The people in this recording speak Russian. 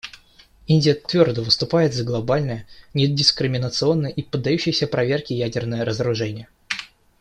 Индия твердо выступает за глобальное, недискриминационное и поддающееся проверке ядерное разоружение.